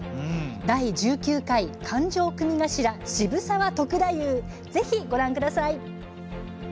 第１９回「勘定組頭渋沢篤太夫」ぜひご覧ください。